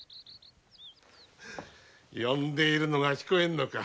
呼んでいるのが聞こえんのか？